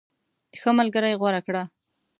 ښه ملګری غوره کړه.